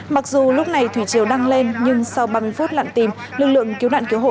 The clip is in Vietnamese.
mặc dù lúc này thủy triều đăng lên nhưng sau ba phút lặn tìm lực lượng cứu nạn cứu hộ